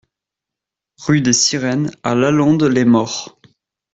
Rue des Sirenes à La Londe-les-Maures